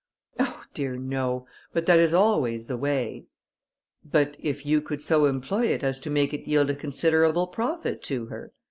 "Oh! dear, no; but that is always the way." "But if you could so employ it as to make it yield a considerable profit to her?